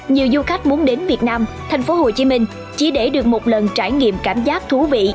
nhiều du khách muốn đến việt nam thành phố hồ chí minh chỉ để được một lần trải nghiệm cảm giác thú vị